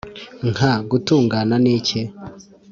nka "gutungana ni iki?"